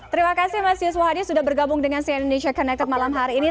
terima kasih mas yuswa hadi sudah bergabung dengan cn indonesia connected malam hari ini